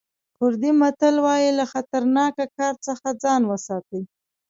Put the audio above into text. کوردي متل وایي له خطرناکه کار څخه ځان وساتئ.